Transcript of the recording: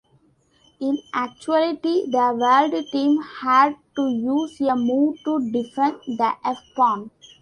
In actuality, the World Team had to use a move to defend the f-pawn.